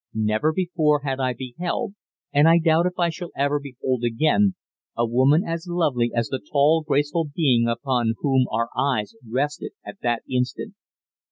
Never before had I beheld, and I doubt if I shall ever behold again, a woman as lovely as the tall, graceful being upon whom our eyes rested at that instant.